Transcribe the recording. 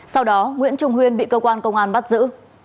sau đó nguyễn trung huyên bị cơ quan công an bắt giữ